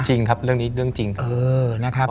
จริงครับเรื่องนี้เรื่องจริงนะครับ